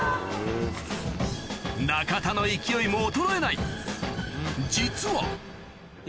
中田の勢いも衰えない